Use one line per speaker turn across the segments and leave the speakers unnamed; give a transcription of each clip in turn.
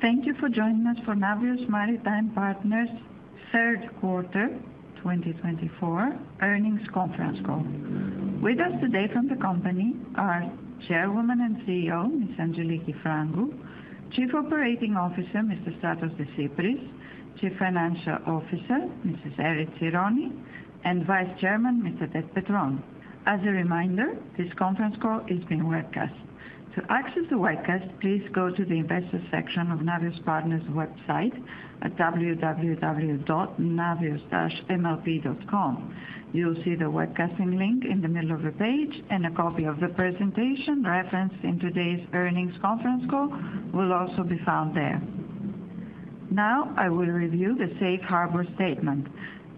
Thank you for joining us for Navios Maritime Partners' third quarter 2024 earnings conference call. With us today from the company are Chairwoman and CEO, Ms. Angeliki Frangou, Chief Operating Officer, Mr. Efstratios Desypris, Chief Financial Officer, Mrs. Erifili Tsironi, and Vice Chairman, Mr. Ted Petrone. As a reminder, this conference call is being webcast. To access the webcast, please go to the investor section of Navios Partners' website at www.navios-mlp.com. You'll see the webcasting link in the middle of the page, and a copy of the presentation referenced in today's earnings conference call will also be found there. Now, I will review the safe harbor statement.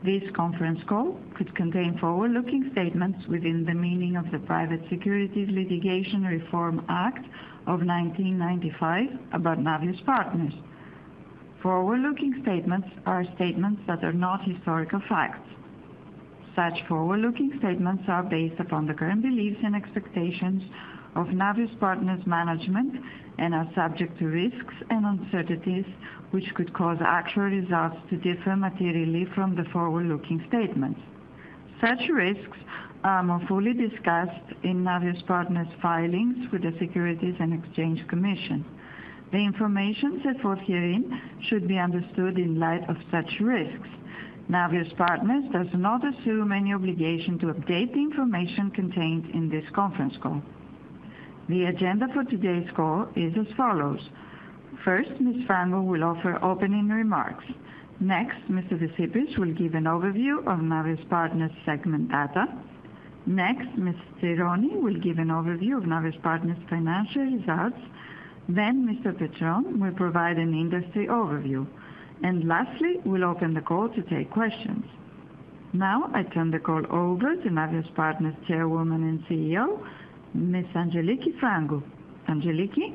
This conference call could contain forward-looking statements within the meaning of the Private Securities Litigation Reform Act of 1995 about Navios Partners. Forward-looking statements are statements that are not historical facts. Such forward-looking statements are based upon the current beliefs and expectations of Navios Partners' management and are subject to risks and uncertainties which could cause actual results to differ materially from the forward-looking statements. Such risks are more fully discussed in Navios Partners' filings with the U.S. Securities and Exchange Commission. The information set forth herein should be understood in light of such risks. Navios Partners does not assume any obligation to update the information contained in this conference call. The agenda for today's call is as follows. First, Ms. Frangou will offer opening remarks. Next, Mr. Desypris will give an overview of Navios Partners' segment data. Next, Ms. Tsironi will give an overview of Navios Partners' financial results. Then, Mr. Petrone will provide an industry overview. And lastly, we'll open the call to take questions. Now, I turn the call over to Navios Partners Chairwoman and CEO, Ms. Angeliki Frangou. Angeliki.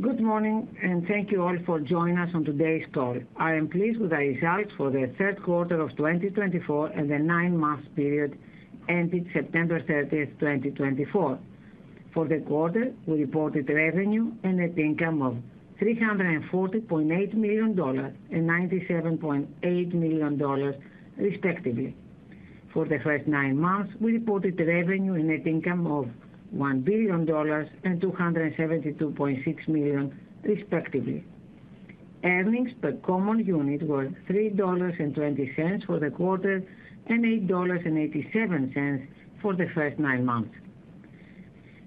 Good morning, and thank you all for joining us on today's call. I am pleased with the results for the third quarter of 2024 and the nine-month period ending September 30th, 2024. For the quarter, we reported revenue and net income of $340.8 million and $97.8 million, respectively. For the first nine months, we reported revenue and net income of $1 billion and $272.6 million, respectively. Earnings per common unit were $3.20 for the quarter and $8.87 for the first nine months.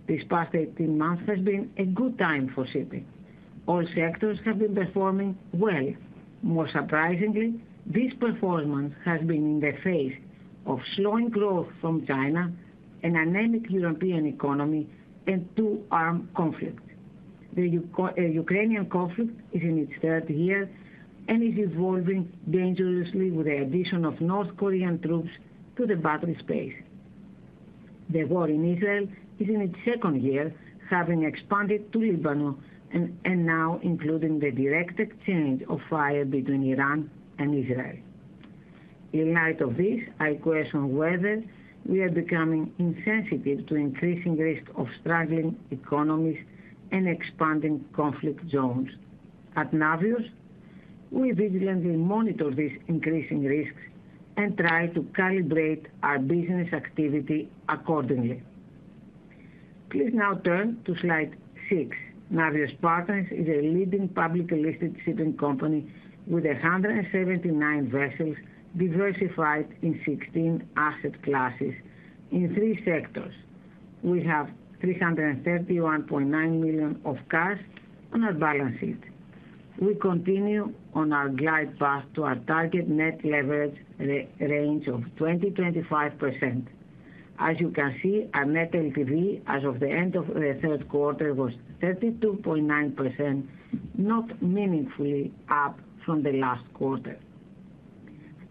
This past 18 months has been a good time for shipping. All sectors have been performing well. More surprisingly, this performance has been in the face of slowing growth from China, an anemic European economy, and two armed conflict. The Ukrainian conflict is in its third year and is evolving dangerously with the addition of North Korean troops to the battle space. The war in Israel is in its second year, having expanded to Lebanon and now including the direct exchange of fire between Iran and Israel. In light of this, I question whether we are becoming insensitive to increasing risks of struggling economies and expanding conflict zones. At Navios, we vigilantly monitor these increasing risks and try to calibrate our business activity accordingly. Please now turn to slide six. Navios Partners is a leading publicly listed shipping company with 179 vessels diversified in 16 asset classes in three sectors. We have $331.9 million of cash on our balance sheet. We continue on our glide path to our target net leverage range of 20%-25%. As you can see, our net LTV as of the end of the third quarter was 32.9%, not meaningfully up from the last quarter.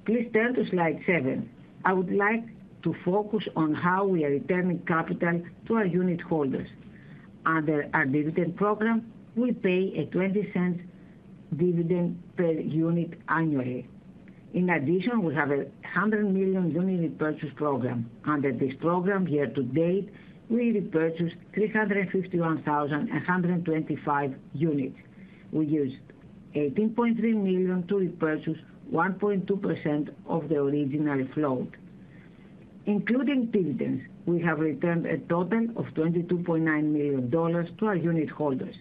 Please turn to slide seven. I would like to focus on how we are returning capital to our unit holders. Under our dividend program, we pay a $0.20 dividend per unit annually. In addition, we have a 100 million unit repurchase program. Under this program, year to date, we repurchased 351,125 units. We used $18.3 million to repurchase 1.2% of the original float. Including dividends, we have returned a total of $22.9 million to our unit holders.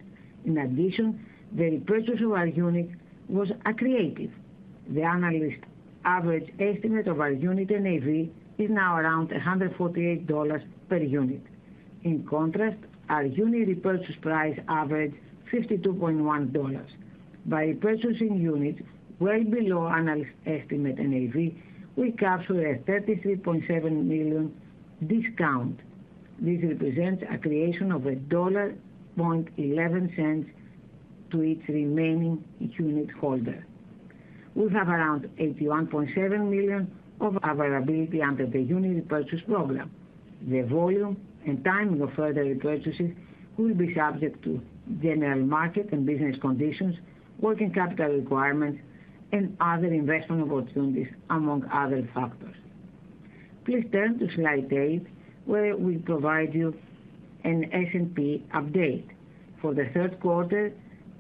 In addition, the repurchase of our unit was accretive. The analyst average estimate of our unit NAV is now around $148 per unit. In contrast, our unit repurchase price averaged $52.1. By repurchasing units well below analyst estimate NAV, we capture a $33.7 million discount. This represents a creation of $1.11 to each remaining unit holder. We have around $81.7 million of availability under the unit repurchase program. The volume and timing of further repurchases will be subject to general market and business conditions, working capital requirements, and other investment opportunities, among other factors. Please turn to slide eight, where we provide you an S&P update. For the third quarter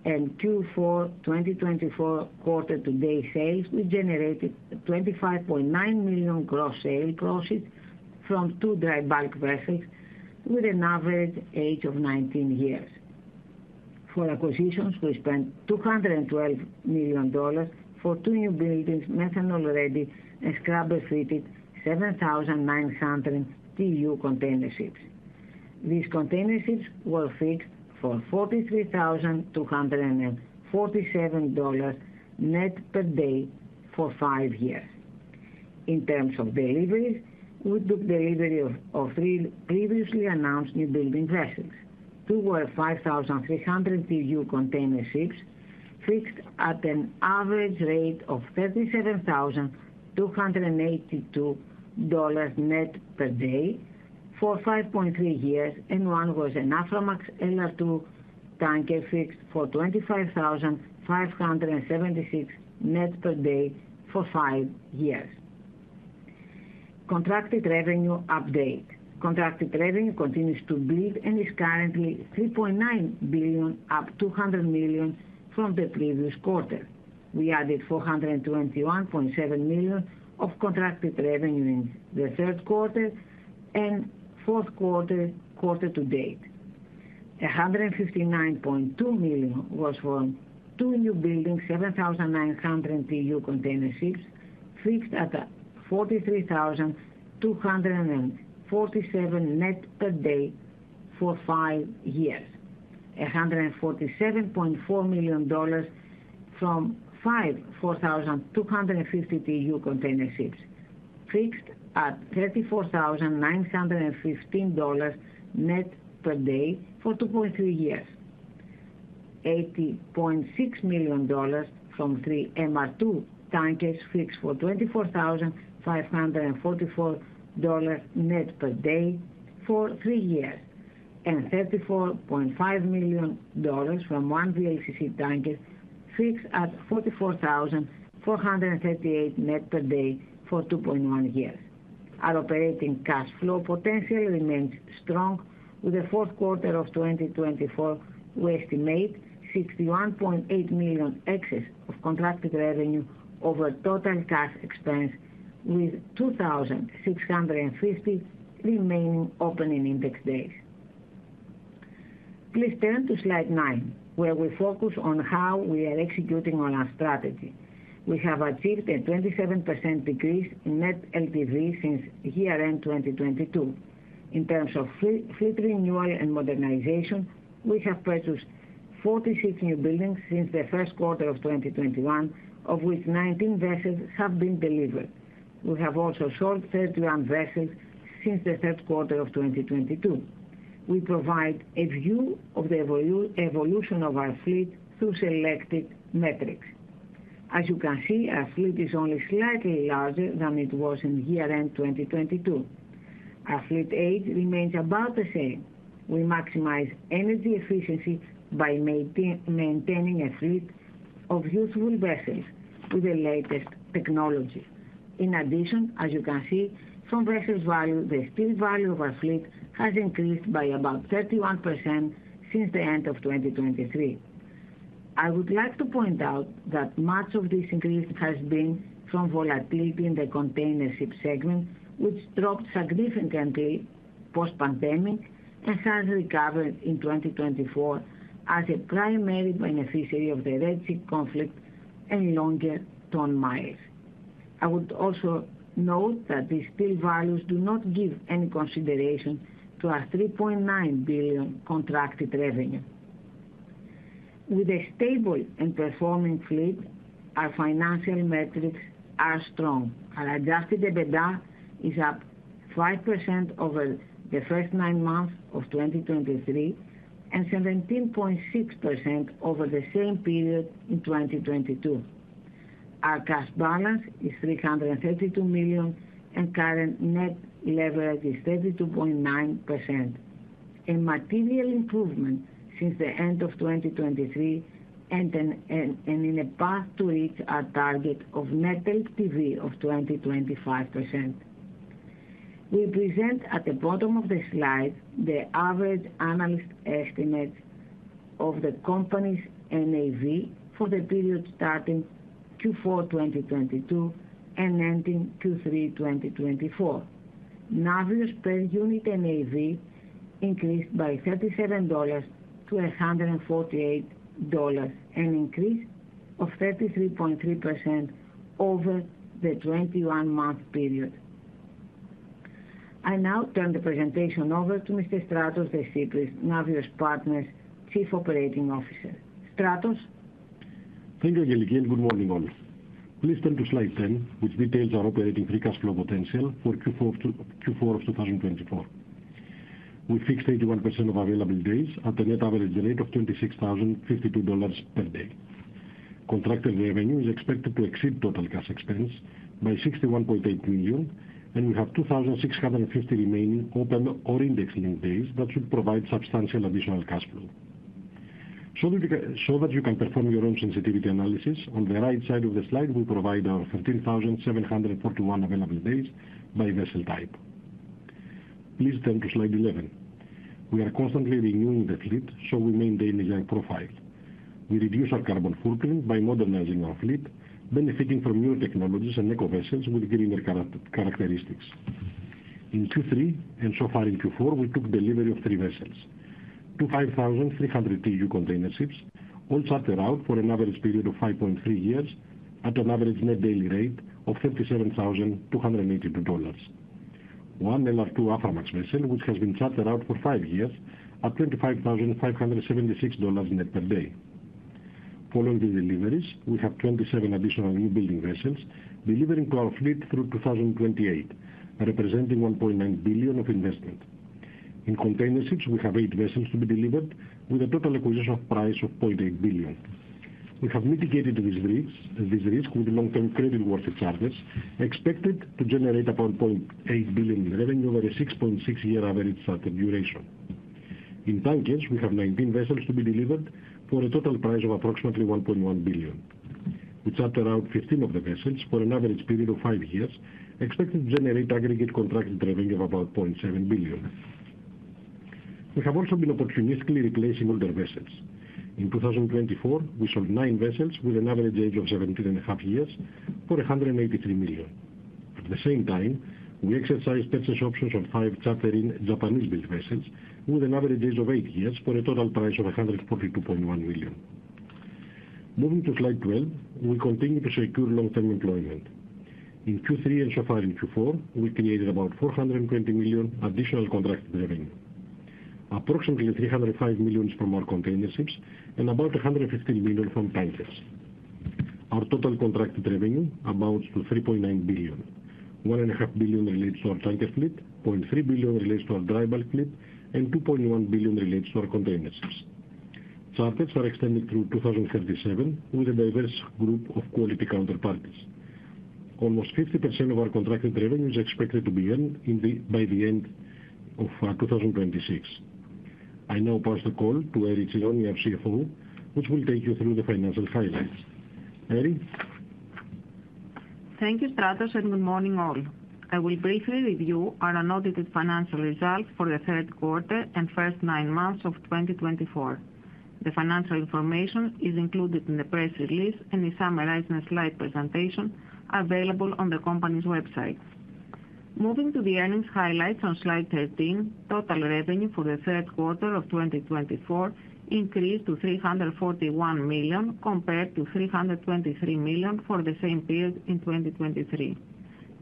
and Q4 2024 quarter-to-date sales, we generated $25.9 million gross sale profit from two dry bulk vessels with an average age of 19 years. For acquisitions, we spent $212 million for two new buildings, methanol-ready and scrubber-fitted 7,900 TEU container ships. These container ships were fixed for $43,247 net per day for five years. In terms of deliveries, we took delivery of three previously announced new building vessels. Two were 5,300 TEU container ships, fixed at an average rate of $37,282 net per day for 5.3 years, and one was an Aframax LR2 tanker fixed for $25,576 net per day for five years. Contracted revenue update. Contracted revenue continues to bleed and is currently $3.9 billion, up $200 million from the previous quarter. We added $421.7 million of contracted revenue in the third quarter and fourth quarter to date. $159.2 million was from two new buildings, 7,900 TEU container ships, fixed at $43,247 net per day for five years. $147.4 million from five 4,250 TEU container ships, fixed at $34,915 net per day for 2.3 years. $80.6 million from three MR2 tankers fixed for $24,544 net per day for three years, and $34.5 million from one VLCC tanker fixed at $44,438 net per day for 2.1 years. Our operating cash flow potential remains strong. With the fourth quarter of 2024, we estimate $61.8 million excess of contracted revenue over total cash expense, with 2,650 remaining opening index days. Please turn to slide nine, where we focus on how we are executing on our strategy. We have achieved a 27% decrease in Net LTV since year-end 2022. In terms of fleet renewal and modernization, we have purchased 46 new buildings since the first quarter of 2021, of which 19 vessels have been delivered. We have also sold 31 vessels since the third quarter of 2022. We provide a view of the evolution of our fleet through selected metrics. As you can see, our fleet is only slightly larger than it was in year-end 2022. Our fleet age remains about the same. We maximize energy efficiency by maintaining a fleet of useful vessels with the latest technology. In addition, as you can see from VesselsValue, the steel value of our fleet has increased by about 31% since the end of 2023. I would like to point out that much of this increase has been from volatility in the container ship segment, which dropped significantly post-pandemic and has recovered in 2024 as a primary beneficiary of the Red Sea conflict and longer ton miles. I would also note that these steel values do not give any consideration to our $3.9 billion contracted revenue. With a stable and performing fleet, our financial metrics are strong. Our Adjusted EBITDA is up 5% over the first nine months of 2023 and 17.6% over the same period in 2022. Our cash balance is $332 million, and current net leverage is 32.9%. A material improvement since the end of 2023 and on a path to reach our target of Net LTV of 20-25%. We present at the bottom of the slide the average analyst estimates of the company's NAV for the period starting Q4 2022 and ending Q3 2024. Navios per unit NAV increased by $37 to $148, an increase of 33.3% over the 21-month period. I now turn the presentation over to Mr. Efstratios Desypris, Navios Partners' Chief Operating Officer. Efstratios?
Thank you, Angeliki, and good morning, all. Please turn to slide 10, which details our operating free cash flow potential for Q4 of 2024. We fixed 81% of available days at a net average rate of $26,052 per day. Contracted revenue is expected to exceed total cash expense by $61.8 million, and we have 2,650 remaining open or indexing days that should provide substantial additional cash flow. So that you can perform your own sensitivity analysis, on the right side of the slide, we provide our 13,741 available days by vessel type. Please turn to slide 11. We are constantly renewing the fleet, so we maintain a young profile. We reduce our carbon footprint by modernizing our fleet, benefiting from new technologies and eco-vessels with greener characteristics. In Q3, and so far in Q4, we took delivery of three vessels: two 5,300 TEU container ships, all chartered out for an average period of 5.3 years at an average net daily rate of $37,282. One LR2 Aframax vessel, which has been chartered out for five years at $25,576 net per day. Following the deliveries, we have 27 additional new building vessels delivering to our fleet through 2028, representing $1.9 billion of investment. In container ships, we have eight vessels to be delivered, with a total acquisition price of $0.8 billion. We have mitigated this risk with long-term creditworthy charters expected to generate about $0.8 billion in revenue over a 6.6-year average charter duration. In tankers, we have 19 vessels to be delivered for a total price of approximately $1.1 billion. We chartered out 15 of the vessels for an average period of five years, expected to generate aggregate contracted revenue of about $0.7 billion. We have also been opportunistically replacing older vessels. In 2024, we sold nine vessels with an average age of 17.5 years for $183 million. At the same time, we exercised purchase options on five chartered Japanese-built vessels with an average age of eight years for a total price of $142.1 million. Moving to slide 12, we continue to secure long-term employment. In Q3, and so far in Q4, we created about $420 million additional contracted revenue, approximately $305 million from our container ships and about $115 million from tankers. Our total contracted revenue amounts to $3.9 billion. $1.5 billion relates to our tanker fleet, $0.3 billion relates to our dry bulk fleet, and $2.1 billion relates to our container ships. Charters are extended through 2037 with a diverse group of quality counterparties. Almost 50% of our contracted revenue is expected to be earned by the end of 2026. I now pass the call to Erifili Tsironi, our CFO, which will take you through the financial highlights. Erifili?
Thank you, Efstratios, and good morning, all. I will briefly review our annotated financial results for the third quarter and first nine months of 2024. The financial information is included in the press release and is summarized in a slide presentation available on the company's website. Moving to the earnings highlights on slide 13, total revenue for the third quarter of 2024 increased to $341 million compared to $323 million for the same period in 2023,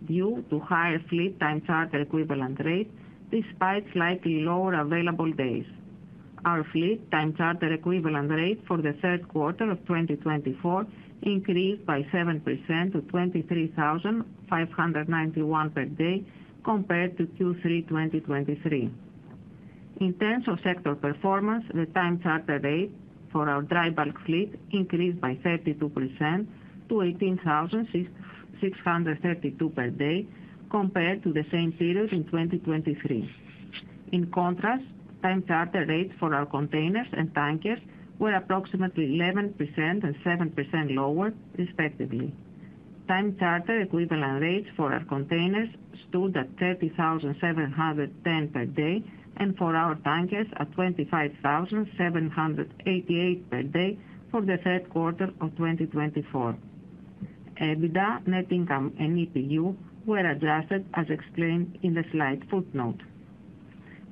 due to higher fleet-time charter equivalent rate despite slightly lower available days. Our fleet-time charter equivalent rate for the third quarter of 2024 increased by 7% to $23,591 per day compared to Q3 2023. In terms of sector performance, the time charter rate for our dry bulk fleet increased by 32% to $18,632 per day compared to the same period in 2023. In contrast, time charter rates for our containers and tankers were approximately 11% and 7% lower, respectively. Time charter equivalent rates for our containers stood at $30,710 per day and for our tankers at $25,788 per day for the third quarter of 2024. EBITDA, net income, and EPU were adjusted as explained in the slide footnote.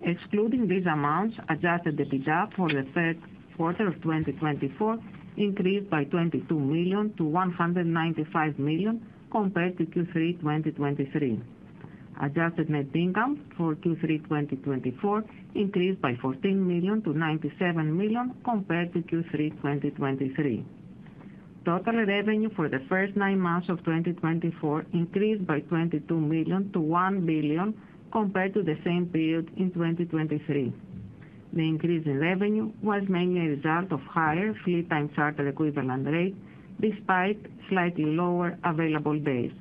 Excluding these amounts, Adjusted EBITDA for the third quarter of 2024 increased by $22 million to $195 million compared to Q3 2023. Adjusted net income for Q3 2024 increased by $14 million to $97 million compared to Q3 2023. Total revenue for the first nine months of 2024 increased by $22 million to $1 billion compared to the same period in 2023. The increase in revenue was mainly a result of higher fleet time charter equivalent rate despite slightly lower available days.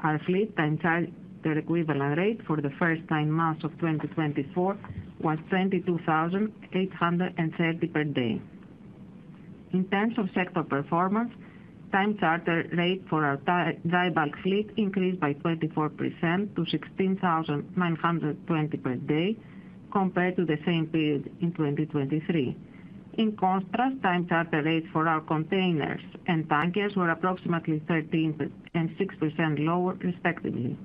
Our fleet-time charter equivalent rate for the first nine months of 2024 was $22,830 per day. In terms of sector performance, time charter rate for our dry bulk fleet increased by 24% to $16,920 per day compared to the same period in 2023. In contrast, time charter rates for our containers and tankers were approximately 13% and 6% lower, respectively.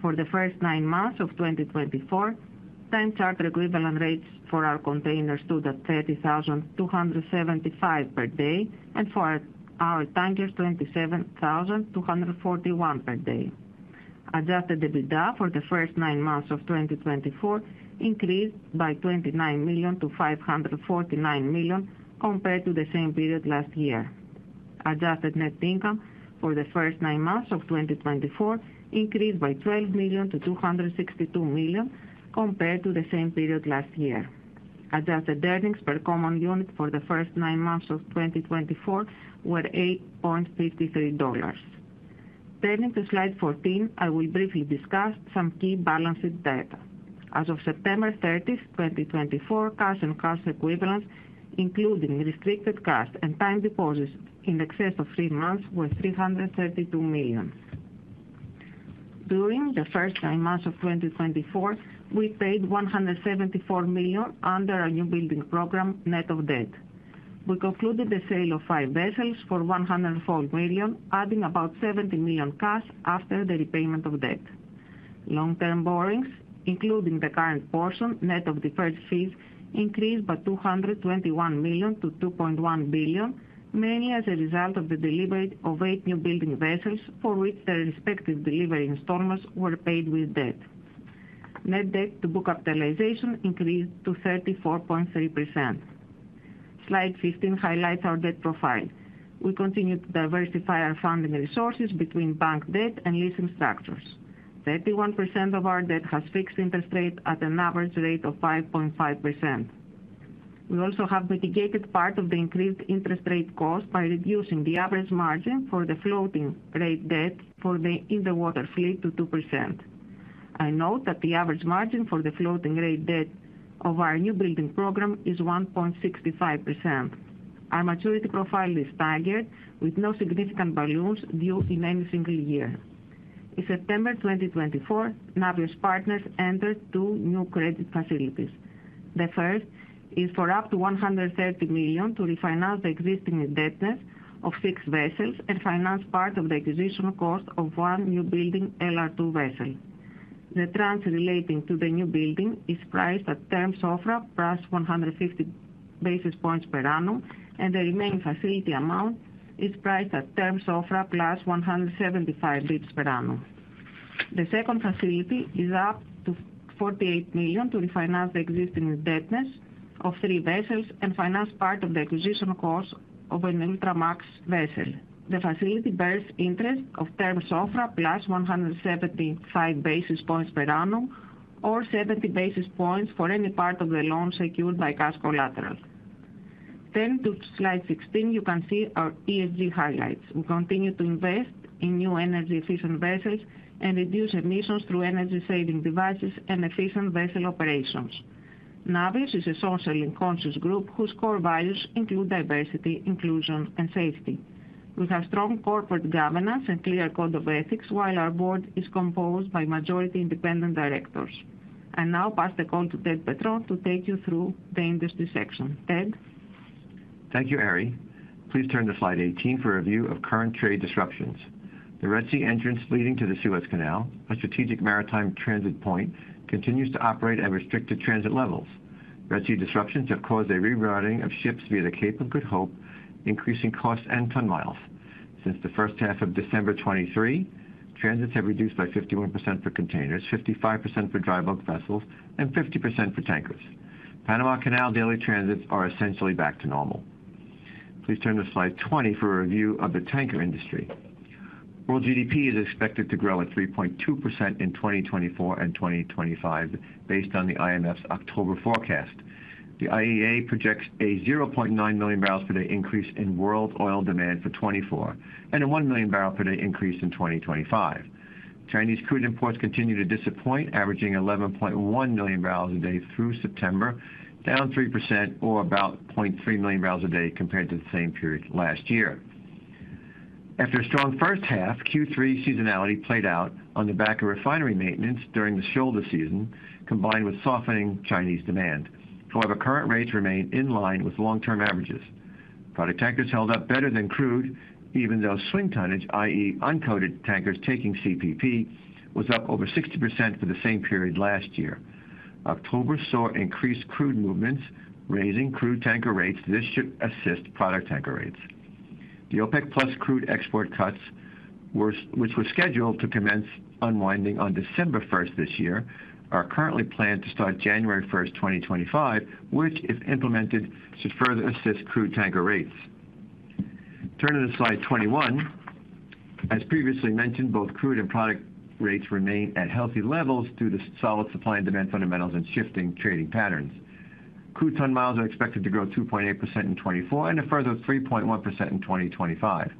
For the first nine months of 2024, time charter equivalent rates for our containers stood at $30,275 per day, and for our tankers, $27,241 per day. Adjusted EBITDA for the first nine months of 2024 increased by $29 million to $549 million compared to the same period last year. Adjusted net income for the first nine months of 2024 increased by $12 million to $262 million compared to the same period last year. Adjusted earnings per common unit for the first nine months of 2024 were $8.53. Turning to slide 14, I will briefly discuss some key balance sheet data. As of September 30, 2024, cash and cash equivalents, including restricted cash and time deposits in excess of three months, were $332 million. During the first nine months of 2024, we paid $174 million under our new building program, net of debt. We concluded the sale of five vessels for $104 million, adding about $70 million cash after the repayment of debt. Long-term borrowings, including the current portion, net of deferred fees, increased by $221 million to $2.1 billion, mainly as a result of the delivery of eight new building vessels for which their respective delivery installments were paid with debt. Net debt to book capitalization increased to 34.3%. Slide 15 highlights our debt profile. We continued to diversify our funding resources between bank debt and leasing structures. 31% of our debt has fixed interest rate at an average rate of 5.5%. We also have mitigated part of the increased interest rate cost by reducing the average margin for the floating rate debt for the tanker fleet to 2%. I note that the average margin for the floating rate debt of our new building program is 1.65%. Our maturity profile is staggered, with no significant balloons due in any single year. In September 2024, Navios Partners entered two new credit facilities. The first is for up to $130 million to refinance the existing indebtedness of six vessels and finance part of the acquisition cost of one new building LR2 vessel. The tranche relating to the new building is priced at term SOFR plus 150 basis points per annum, and the remaining facility amount is priced at term SOFR plus 175 basis points per annum. The second facility is up to $48 million to refinance the existing indebtedness of three vessels and finance part of the acquisition cost of an Ultramax vessel. The facility bears interest of term SOFR plus 175 basis points per annum, or 70 basis points for any part of the loan secured by cash collateral. Turning to slide 16, you can see our ESG highlights. We continue to invest in new energy-efficient vessels and reduce emissions through energy-saving devices and efficient vessel operations. Navios is a social and conscious group whose core values include diversity, inclusion, and safety. We have strong corporate governance and clear code of ethics, while our board is composed by majority independent directors. I now pass the call to Ted Petrone to take you through the industry section. Ted.
Thank you, Eri. Please turn to slide 18 for a view of current trade disruptions. The Red Sea entrance leading to the Suez Canal, a strategic maritime transit point, continues to operate at restricted transit levels. Red Sea disruptions have caused a rerouting of ships via the Cape of Good Hope, increasing costs and ton miles. Since the first half of December 2023, transits have reduced by 51% for containers, 55% for dry bulk vessels, and 50% for tankers. Panama Canal daily transits are essentially back to normal. Please turn to slide 20 for a review of the tanker industry. World GDP is expected to grow at 3.2% in 2024 and 2025, based on the IMF's October forecast. The IEA projects a 0.9 million per day increase in world oil demand for 2024 and a 1 million per day increase in 2025. Chinese crude imports continue to disappoint, averaging $11.1 million a day through September, down 3%, or about $0.3 million a day compared to the same period last year. After a strong first half, Q3 seasonality played out on the back of refinery maintenance during the shoulder season, combined with softening Chinese demand. However, current rates remain in line with long-term averages. Product tankers held up better than crude, even though swing tonnage, i.e., uncoated tankers taking CPP, was up over 60% for the same period last year. October saw increased crude movements, raising crude tanker rates. This should assist product tanker rates. The OPEC+ crude export cuts, which were scheduled to commence unwinding on December 1 this year, are currently planned to start January 1, 2025, which, if implemented, should further assist crude tanker rates. Turning to slide 21, as previously mentioned, both crude and product rates remain at healthy levels due to solid supply and demand fundamentals and shifting trading patterns. Crude ton miles are expected to grow 2.8% in 2024 and a further 3.1% in 2025.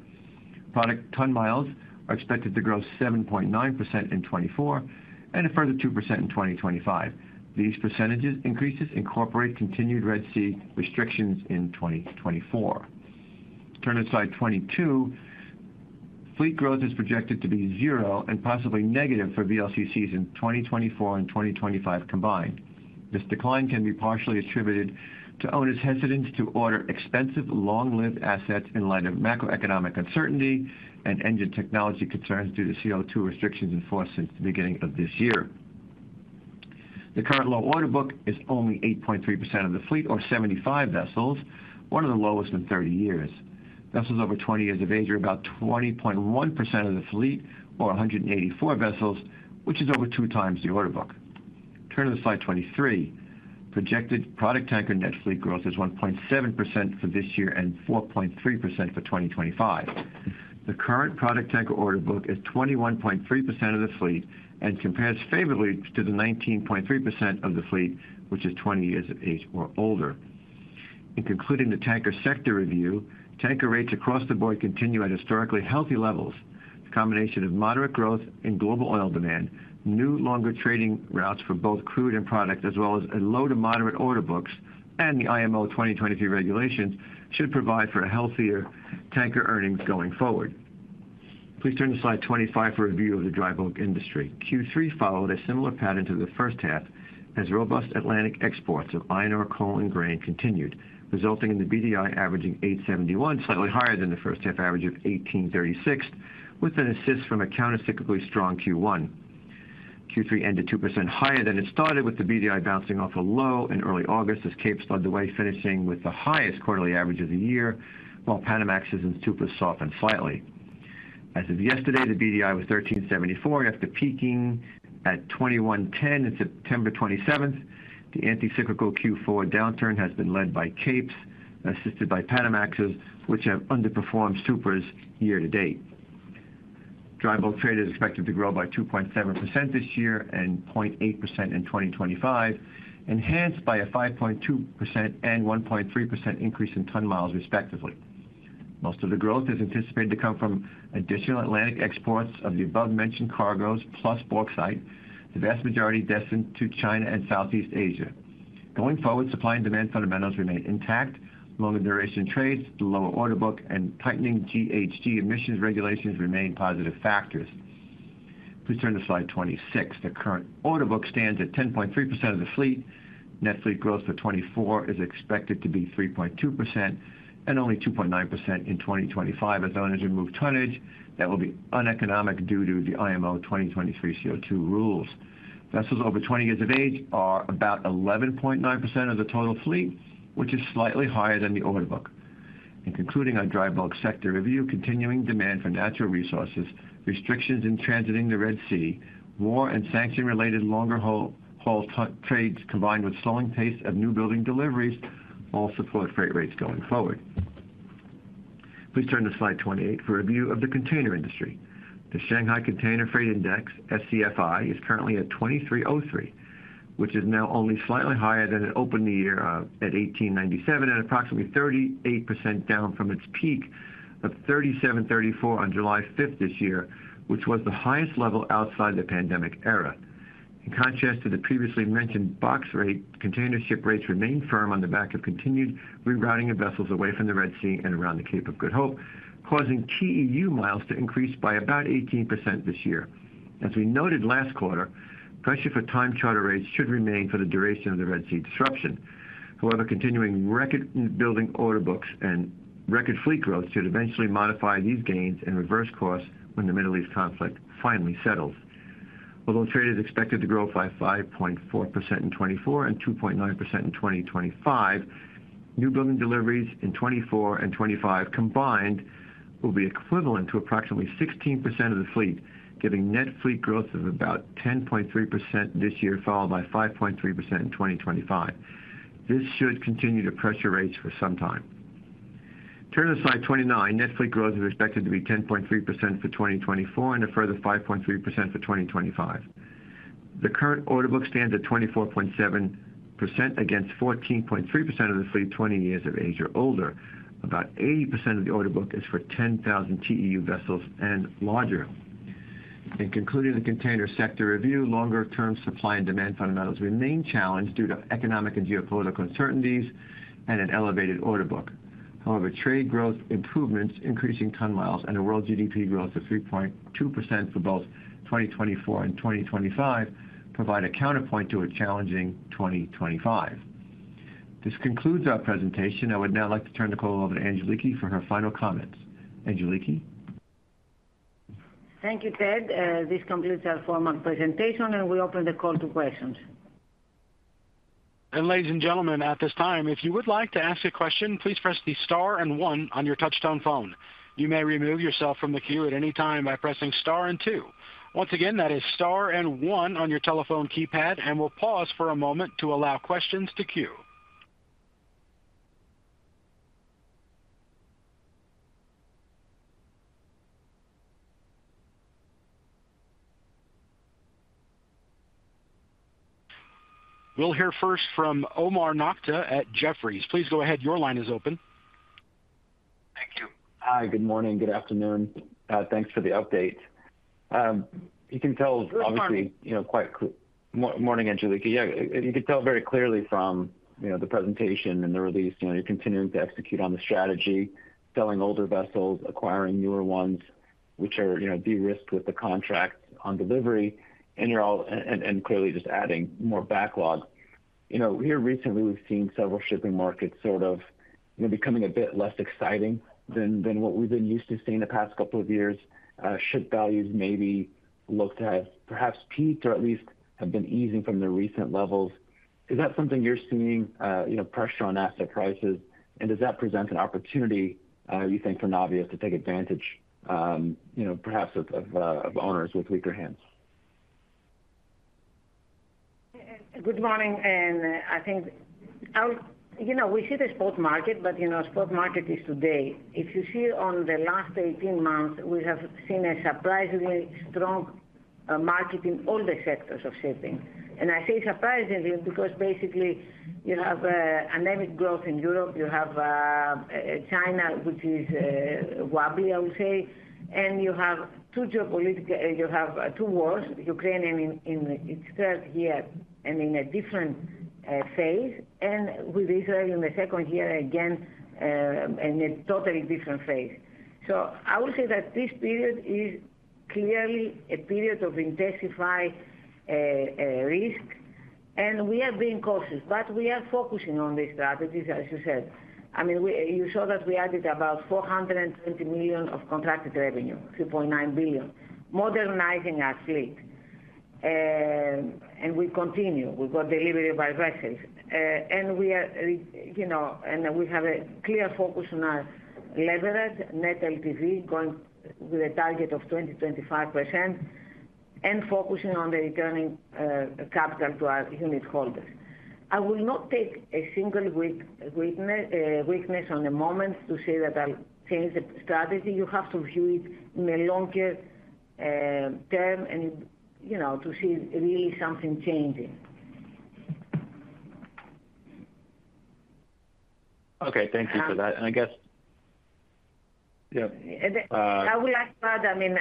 Product ton miles are expected to grow 7.9% in 2024 and a further 2% in 2025. These percentage increases incorporate continued Red Sea restrictions in 2024. Turning to slide 22, fleet growth is projected to be zero and possibly negative for VLCCs in 2024 and 2025 combined. This decline can be partially attributed to owners' hesitance to order expensive, long-lived assets in light of macroeconomic uncertainty and engine technology concerns due to CO2 restrictions enforced since the beginning of this year. The current low order book is only 8.3% of the fleet, or 75 vessels, one of the lowest in 30 years. Vessels over 20 years of age are about 20.1% of the fleet, or 184 vessels, which is over two times the order book. Turning to slide 23, projected product tanker net fleet growth is 1.7% for this year and 4.3% for 2025. The current product tanker order book is 21.3% of the fleet and compares favorably to the 19.3% of the fleet, which is 20 years of age or older. In concluding the tanker sector review, tanker rates across the board continue at historically healthy levels. The combination of moderate growth in global oil demand, new longer trading routes for both crude and product, as well as low to moderate order books and the IMO 2023 regulations, should provide for healthier tanker earnings going forward. Please turn to slide 25 for a view of the dry bulk industry. Q3 followed a similar pattern to the first half as robust Atlantic exports of iron ore and coal and grain continued, resulting in the BDI averaging 871, slightly higher than the first half average of 1836, with an assist from a countercyclically strong Q1. Q3 ended 2% higher than it started, with the BDI bouncing off a low in early August as Cape slugged away, finishing with the highest quarterly average of the year, while Panamax's and Supramax softened slightly. As of yesterday, the BDI was 1374, and after peaking at 2110 on September 27, the anticyclical Q4 downturn has been led by Capes, assisted by Panamaxes, which have underperformed Supramaxes year to date. Dry bulk trade is expected to grow by 2.7% this year and 0.8% in 2025, enhanced by a 5.2% and 1.3% increase in ton miles, respectively. Most of the growth is anticipated to come from additional Atlantic exports of the above-mentioned cargoes, plus bauxite, the vast majority destined to China and Southeast Asia. Going forward, supply and demand fundamentals remain intact, longer duration trades, lower order book, and tightening GHG emissions regulations remain positive factors. Please turn to slide 26. The current order book stands at 10.3% of the fleet. Net fleet growth for 2024 is expected to be 3.2% and only 2.9% in 2025, as owners remove tonnage that will be uneconomic due to the IMO 2023 CO2 rules. Vessels over 20 years of age are about 11.9% of the total fleet, which is slightly higher than the order book. In concluding our dry bulk sector review, continuing demand for natural resources, restrictions in transiting the Red Sea, war and sanction-related longer haul trades, combined with slowing pace of new building deliveries, all support freight rates going forward. Please turn to slide 28 for a view of the container industry. The Shanghai Container Freight Index, SCFI, is currently at 2303, which is now only slightly higher than it opened the year at 1897, and approximately 38% down from its peak of 3734 on July 5 this year, which was the highest level outside the pandemic era. In contrast to the previously mentioned box rate, container ship rates remain firm on the back of continued rerouting of vessels away from the Red Sea and around the Cape of Good Hope, causing TEU miles to increase by about 18% this year. As we noted last quarter, pressure for time charter rates should remain for the duration of the Red Sea disruption. However, continuing record building order books and record fleet growth should eventually modify these gains and reverse course when the Middle East conflict finally settles. Although trade is expected to grow by 5.4% in 2024 and 2.9% in 2025, new building deliveries in 2024 and 2025 combined will be equivalent to approximately 16% of the fleet, giving net fleet growth of about 10.3% this year, followed by 5.3% in 2025. This should continue to pressure rates for some time. Turning to slide 29, net fleet growth is expected to be 10.3% for 2024 and a further 5.3% for 2025. The current order book stands at 24.7% against 14.3% of the fleet 20 years of age or older. About 80% of the order book is for 10,000 TEU vessels and larger. In concluding the container sector review, longer-term supply and demand fundamentals remain challenged due to economic and geopolitical uncertainties and an elevated order book. However, trade growth improvements, increasing ton miles, and a world GDP growth of 3.2% for both 2024 and 2025 provide a counterpoint to a challenging 2025. This concludes our presentation. I would now like to turn the call over to Angeliki for her final comments. Angeliki.
Thank you, Ted. This concludes our formal presentation, and we open the call to questions.
Ladies and gentlemen, at this time, if you would like to ask a question, please press the star and one on your touch-tone phone. You may remove yourself from the queue at any time by pressing star and two. Once again, that is star and one on your telephone keypad, and we'll pause for a moment to allow questions to queue. We'll hear first from Omar Nokta at Jefferies. Please go ahead. Your line is open.
Thank you.
Hi, good morning, good afternoon. Thanks for the update. You can tell, obviously, quite clearly.
Good morning.
Morning, Angeliki. Yeah, you can tell very clearly from the presentation and the release, you're continuing to execute on the strategy, selling older vessels, acquiring newer ones, which are de-risked with the contract on delivery, and clearly just adding more backlog. Here recently, we've seen several shipping markets sort of becoming a bit less exciting than what we've been used to seeing the past couple of years. Ship values maybe look to have perhaps peaked or at least have been easing from their recent levels. Is that something you're seeing, pressure on asset prices, and does that present an opportunity, you think, for Navios to take advantage, perhaps of owners with weaker hands?
Good morning, and I think we see the spot market, but spot market is today. If you see on the last 18 months, we have seen a surprisingly strong market in all the sectors of shipping, and I say surprisingly because basically you have anemic growth in Europe. You have China, which is wobbly, I would say, and you have two geopolitical, you have two wars, Ukraine in its third year and in a different phase, and with Israel in the second year again in a totally different phase. So I would say that this period is clearly a period of intensified risk, and we are being cautious, but we are focusing on these strategies, as you said. I mean, you saw that we added about $420 million of contracted revenue, $3.9 billion, modernizing our fleet. And we continue. We've got delivery by vessels. We have a clear focus on our leverage, Net LTV, going with a target of 20%-25%, and focusing on returning capital to our unitholders. I will not take a single weakness at the moment to say that I'll change the strategy. You have to view it in a longer term to see really something changing.
Okay, thank you for that. And I guess.
I would like to add, I mean,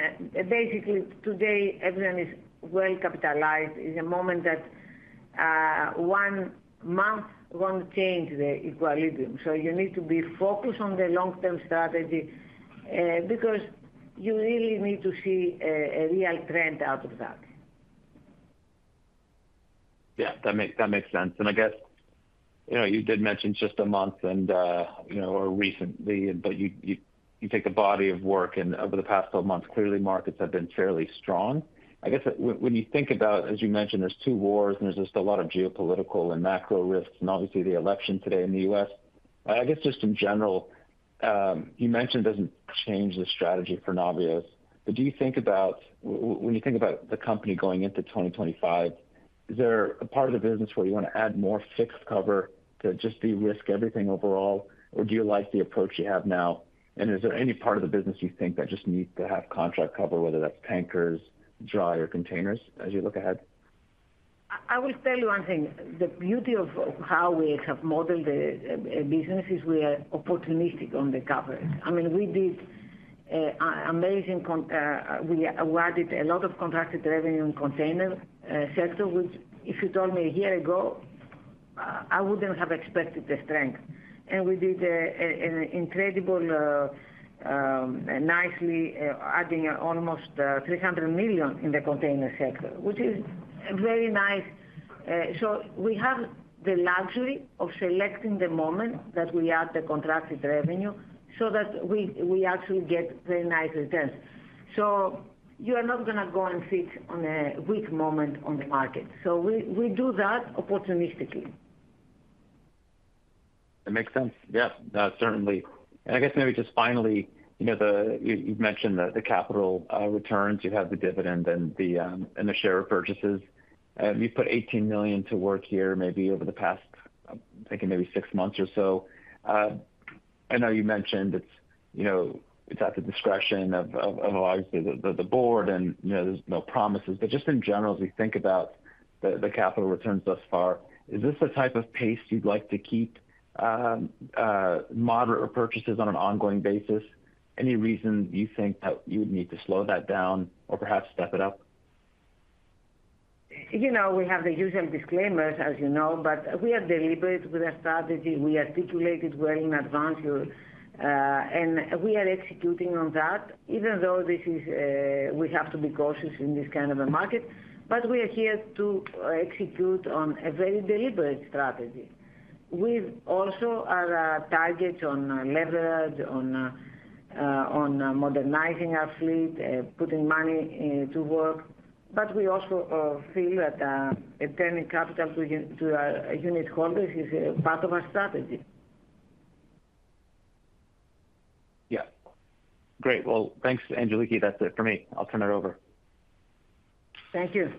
basically today everyone is well capitalized. It's a moment that one month won't change the equilibrium. So you need to be focused on the long-term strategy because you really need to see a real trend out of that.
Yeah, that makes sense. And I guess you did mention just a month or recently, but you take the body of work, and over the past 12 months, clearly markets have been fairly strong. I guess when you think about, as you mentioned, there's two wars, and there's just a lot of geopolitical and macro risks, and obviously the election today in the U.S. I guess just in general, you mentioned it doesn't change the strategy for Navios, but do you think about, when you think about the company going into 2025, is there a part of the business where you want to add more fixed cover to just de-risk everything overall, or do you like the approach you have now? And is there any part of the business you think that just needs to have contract cover, whether that's tankers, dry, or containers, as you look ahead?
I will tell you one thing. The beauty of how we have modeled the business is we are opportunistic on the coverage. I mean, we did amazing. We added a lot of contracted revenue in the container sector, which if you told me a year ago, I wouldn't have expected the strength, and we did incredibly nicely, adding almost $300 million in the container sector, which is very nice, so we have the luxury of selecting the moment that we add the contracted revenue so that we actually get very nice returns, so you are not going to go and sit on a weak moment on the market, so we do that opportunistically.
That makes sense. Yeah, certainly. And I guess maybe just finally, you've mentioned the capital returns. You have the dividend and the share repurchases. You put $18 million to work here maybe over the past, I think, maybe six months or so. I know you mentioned it's at the discretion of, obviously, the board, and there's no promises. But just in general, as we think about the capital returns thus far, is this the type of pace you'd like to keep, moderate purchases on an ongoing basis? Any reason you think that you would need to slow that down or perhaps step it up?
We have the usual disclaimers, as you know, but we are deliberate with our strategy. We articulate it well in advance, and we are executing on that, even though we have to be cautious in this kind of a market. But we are here to execute on a very deliberate strategy. We also have targets on leverage, on modernizing our fleet, putting money to work, but we also feel that turning capital to our unit holders is part of our strategy.
Yeah. Great. Well, thanks, Angeliki. That's it for me. I'll turn it over.
Thank you.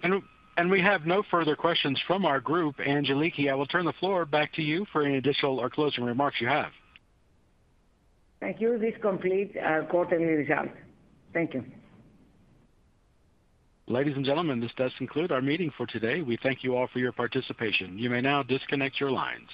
We have no further questions from our group. Angeliki, I will turn the floor back to you for any additional or closing remarks you have.
Thank you. This completes our quarterly result. Thank you.
Ladies and gentlemen, this does conclude our meeting for today. We thank you all for your participation. You may now disconnect your lines.